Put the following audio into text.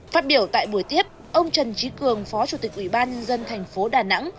phát biểu tại buổi tiếp ông trần trí cường phó chủ tịch ủy ban nhân dân thành phố đà nẵng